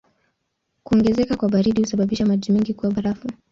Kuongezeka kwa baridi husababisha maji mengi kuwa barafu.